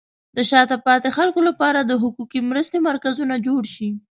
د شاته پاتې خلکو لپاره د حقوقي مرستې مرکزونه جوړ شي.